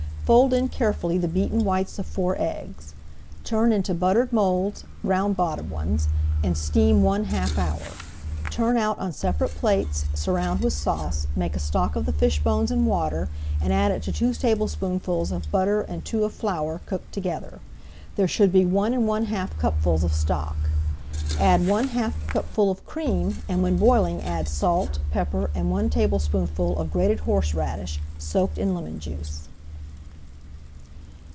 Fold in carefully the beaten whites of four eggs. Turn into buttered moulds (round bottomed ones) and steam one half hour. Turn out on separate plates, surround with sauce, make a stock of the fish bones and water, and add it to two tablespoonfuls of butter and two of flour cooked together. There should be one and one half cupfuls of stock. Add one half [Page 186] cupful of cream, and when boiling add salt, pepper, and one tablespoonful of grated horseradish soaked in lemon juice.